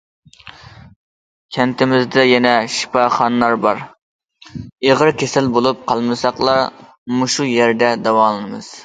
كەنتىمىزدە يەنە شىپاخانا بار، ئېغىر كېسەل بولۇپ قالمىساقلا مۇشۇ يەردە داۋالىنىمىز.